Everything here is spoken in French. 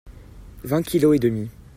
Vingt kilos et demi.